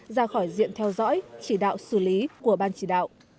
ra khỏi diện theo dõi chỉ đạo xử lý của ban chỉ đạo